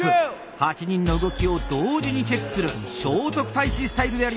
８人の動きを同時にチェックする聖徳太子スタイルであります。